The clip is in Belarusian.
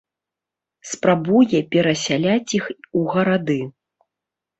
Спрабуе перасяляць іх у гарады.